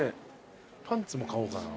パンツも買おうかな。